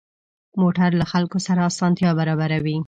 موټر له خلکو سره اسانتیا برابروي.